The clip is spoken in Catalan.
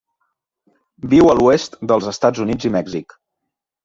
Viu a l'oest dels Estats Units i Mèxic.